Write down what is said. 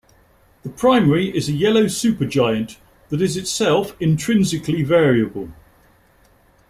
The primary is a yellow supergiant that is itself intrinsically variable.